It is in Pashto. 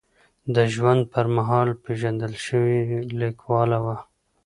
د ژوند پر مهال پېژندل شوې لیکواله وه.